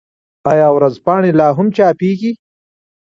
آیا ورځپاڼې لا هم چاپيږي؟